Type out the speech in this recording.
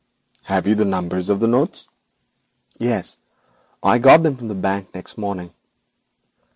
'Have you the numbers of the notes?' 'Yes; I got them from the Bank next morning.